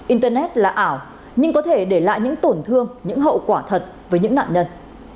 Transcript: internet là ảo nhưng có thể để lại những tổn thương những hậu quả thật với những nạn nhân